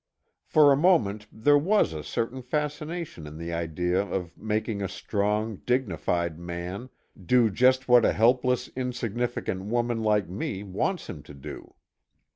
For a moment there was a certain fascination in the idea of making a strong, dignified man do just what a helpless insignificant little woman like me wants him to do.